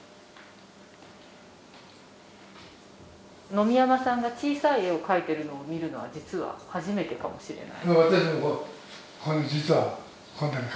野見山さんが小さい絵を描いてるのを見るのは実は初めてかもしれない。